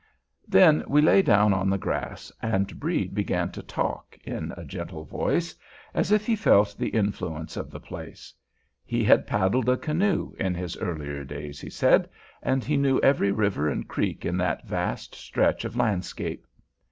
Then we lay down on the grass, and Brede began to talk, in a gentle voice, as if he felt the influence of the place. He had paddled a canoe, in his earlier days, he said, and he knew every river and creek in that vast stretch of landscape.